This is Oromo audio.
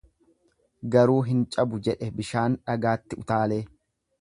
Garuu hin cabu jedhe bishaan dhagaatti utaalee.